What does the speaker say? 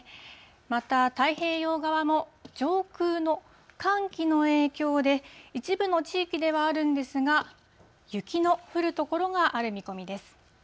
また、太平洋側も上空の寒気の影響で、一部の地域ではあるんですが、雪の降る所がある見込みです。